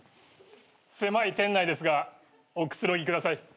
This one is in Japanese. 狭い店内ですがおくつろぎください。